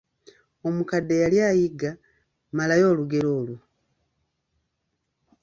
Omukadde eyali ayigga, malayo olugero olwo.